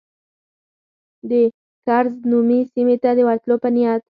د کرز نومي سیمې ته د ورتلو په نیت.